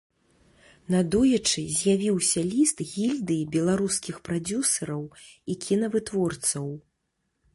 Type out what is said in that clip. Надоечы з'явіўся ліст гільдыі беларускіх прадзюсараў і кінавытворцаў.